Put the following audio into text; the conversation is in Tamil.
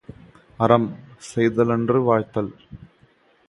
அறம், செய்தலன்று வாழ்தல்.